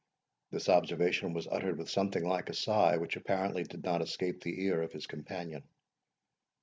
This observation was uttered with something like a sigh, which apparently did not escape the ear of his companion.